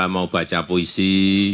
mau baca puisi